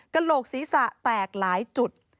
กระโหลกศีรษะแตกหลายจุด